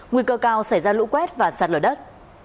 nguy cơ cao xảy ra lũ quét và sạt lở đất